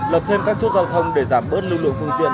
lập thêm các chốt giao thông để giảm bớt lưu lượng phương tiện